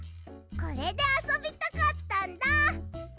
これであそびたかったんだ！